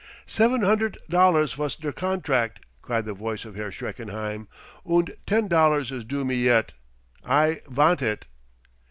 "Seven hunderdt dollars vos der contract," cried the voice of Herr Schreckenheim. "Und ten dollars is due me yet. I vant it."